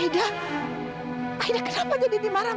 kamu sudah menunggu j graham